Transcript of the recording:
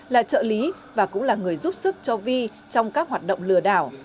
là trợ lý và cũng là người giúp sức cho vi trong các hoạt động lừa đảo